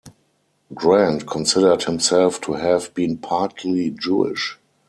Grant considered himself to have been partly Jewish.